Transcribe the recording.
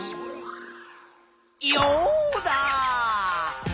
ヨウダ！